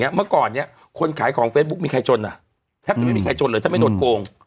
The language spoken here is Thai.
เมื่อก่อนเนี่ยคนขายของเฟซบุ๊คมีใครจนแทบจะไม่มีใครจนเลยถ้าไม่โดนโกง